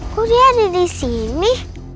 kok dia ada disini